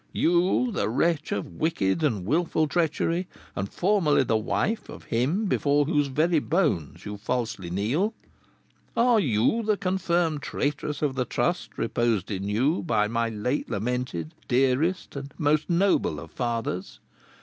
You, the wretch of wicked and wilful treachery, and formerly the wife of him before whose very bones you falsely kneel! Are you the confirmed traitoress of the trust reposed in you by my late lamented, dearest, and most noble of fathers?